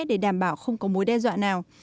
để đảm bảo không có mối đe dọa nào